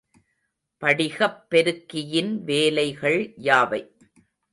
படிகப்பெருக்கியின் வேலைகள் யாவை?